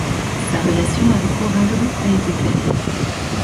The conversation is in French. Sa relation avec Corrado a été vaine.